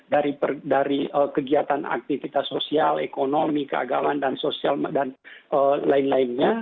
dari kegiatan aktivitas sosial ekonomi keagamaan dan lain lainnya